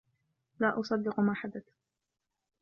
لا أصدق ما حدث.